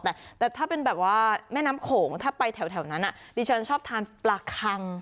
แต่ถ้าเป็นแบบว่าแม่น้ำโขงถ้าไปแถวนั้นดิฉันชอบทานปลาคัง